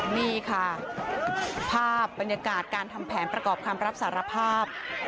นี่ค่ะภาพบรรยากาศการทำแผนประกอบคำรับสารภาพ